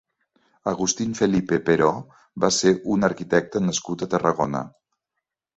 Agustín Felipe Peró va ser un arquitecte nascut a Tarragona.